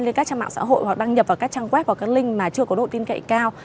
lên các trang mạng xã hội hoặc đăng nhập vào các trang web hoặc các link mà chưa có độ tin cậy cao